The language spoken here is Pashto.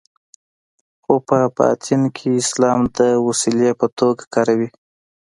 خو په باطن کې اسلام د وسیلې په توګه کاروي.